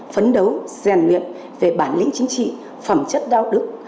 phấn đấu rèn luyện về bản lĩnh chính trị phẩm chất đạo đức